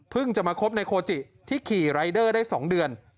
เพิ่งจะมาคบนายโคจิที่ขี่รายเดอร์ได้สองเดือน